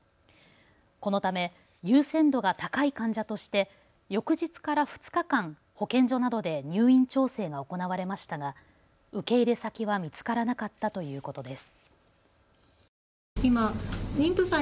このため優先度が高い患者として翌日から２日間、保健所などで入院調整が行われましたが受け入れ先は見つからなかったということです。